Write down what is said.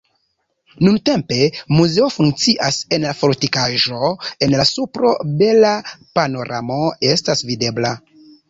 Nuntempe muzeo funkcias en la fortikaĵo, en la supro bela panoramo estas videbla.